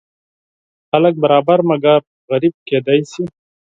خلک برابر مګر غریب کیدی شي.